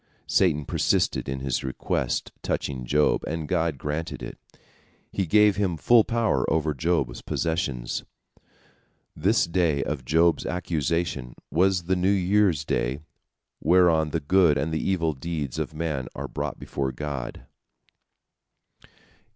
Satan persisted in his request touching Job, and God granted it, He gave him full power over Job's possessions. This day of Job's accusation was the New Year's Day, whereon the good and the evil deeds of man are brought before God.